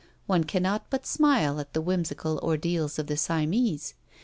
One cannot but smile at the whimsical ordeals of the Siamese.